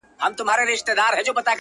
خوب كي گلونو ســـره شپـــــې تېــروم؛